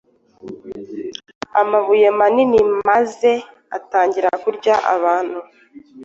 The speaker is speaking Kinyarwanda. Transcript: amabuye manini maze atangira kurya abantu